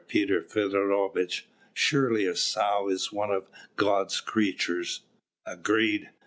Peter Feodorovitch! surely a sow is one of God's creatures!" "Agreed.